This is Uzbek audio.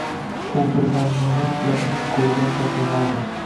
U bir mamnunlik bilan uning qoʻlidan kosani oldi.